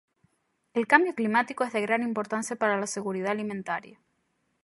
El cambio climático es de gran importancia para la seguridad alimentaria.